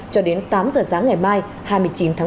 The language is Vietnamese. cho đến tám h sáng ngày mai hai mươi chín tháng bảy